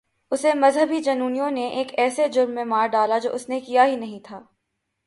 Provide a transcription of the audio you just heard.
اسے مذہبی جنونیوں نے ایک ایسے جرم میں مار ڈالا جو اس نے کیا ہی نہیں تھا۔